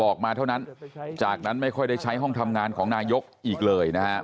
ออกมาเท่านั้นจากนั้นไม่ค่อยได้ใช้ห้องทำงานของนายกอีกเลยนะฮะ